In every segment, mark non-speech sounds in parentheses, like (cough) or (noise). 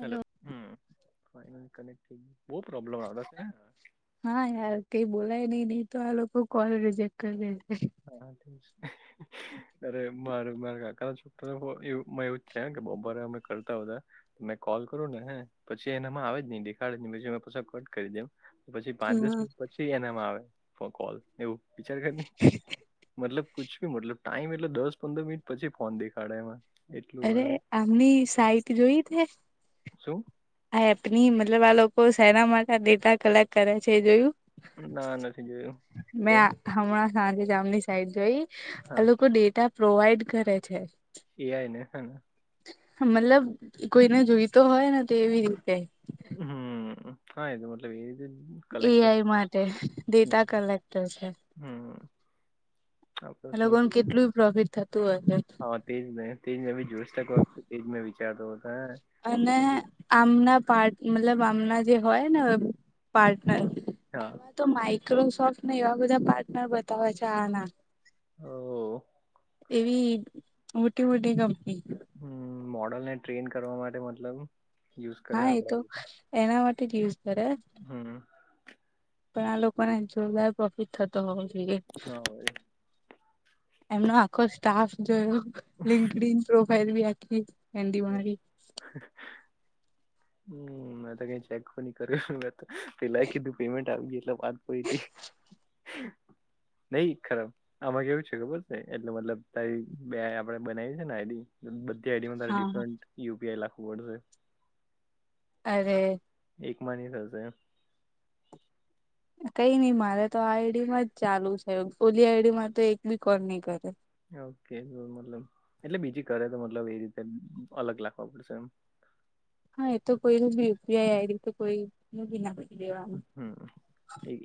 Hello હમ (unintelligible) હા યાર કઈ બોલાય નહી નહી તો આ લોકો કોલ રિજેક્ટ કરી લે છે. હા છે અરે મારે મારે કાકા છોકરા એવું જ થયા બો ભારે અમે કરતા હો હતા મે કોલ કરો ને પછી એનામાં આવે જ નહી દેખાડ પછી પછ કટ કરી દેમ પછી પાંચ દસ હા. મિનિટ પછી એનામાં આવે ફો કોલ એવું વિચાર કરી મતલબ કુછ ભી મતલબ ટાઈમ એટલે દસ પંદર મિનિટ પછી ફોન દેખાડે એમાં એટલું અરે વારે આમની સાઈટ જોઈ તે શું આ એપની મતલબ આ લોકો સેના માટે ડેટા કલેક્ટ કરે છે એ જોયું ના નથી જોયું મેં કેમ? હમણાં સાંજે જામની સાઈડ જોઈ હા આ લોકો ડેટા પ્રોવાઈડ કરે છે એ આઈ ને હ મતલબ કોઈને જોઈતો હોય ને તો એવી રીતે હમ હા એનો મતલબ એ જ (inaudible) એ આઈ માટે ડેટા કલેક્ટર છે હમ્મ. આ તો એ શું લોકોને છે કે કેટલું પ્રોફિટ થતું હશે? હા, તેજ ને તેજ મેં બી (unintelligible) એજ મેં વિચારતો અને હતો આમના પાર્ટ મતલબ આમના જે હોય ને પાર્ટનર હા એમાં તો માઇક્રોસોફ્ટને એવા બધા પાર્ટનર બતાવે છે આના હ એવી મોટી મોટી કંપની હમ મોડલ ને ટ્રેન કરવા માટે મતલબ યુઝ કરે હા એ આપડા તો એના માટે જ યુઝ કરે હમ્મ. પણ આ લોકોને જોરદાર પ્રોફિટ થતો હોવો જોઈએ હા એ એમનો આખો સ્ટાફ જોયલો લિંક્ડઇન પ્રોફાઇલ બી આખી. એન્ડી હ મારી હમ મેં તો કઈ ચેક પણ ન કર્યો મે પેલા કીધું પેમેન્ટ આવી ગું એટલે વા નહી ખરાબ આમાં કેવું છે ખબર છે એટલે મતલબ તારી બે આપડે બનાવી છે ને આઈડી બધી આઈડીમાં તારે હા ડિફરન્ટ યુપીઆઈ લાખવું પડશે અરે એક માં ની થશે એમ કઈ નઈ મારે તો આ આઈડીમાં જ ચાલુ છે ઓલી આઈડી માં તો એક ભી કોલ ની કર્યો ઓકે તો મતલબ એટલે બીજી કરે તો મતલબ એ રીતે અલગ લાખવા પડશે એમ હા એ તો કોઈનું યુપીઆઈ આઈડી તો કોઈ કોઈ બી નાખી દેવાની હમ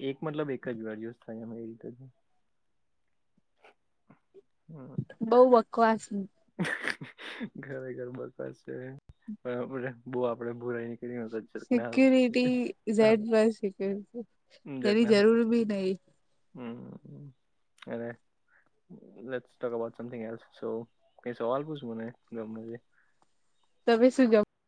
એક મતલબ એક જ વારજ થાય અ એ રીતે જ હમ બઉ બકવાસ ખરેખર બ બહ આપડે બુરાઈ નીકક ના (unintelligible) કઈ શી (unintelligible) (unintelligible) હમ એને (unintelligible) સોં કઈ સવાલ પૂછ મને ગમે તે તમે શું જ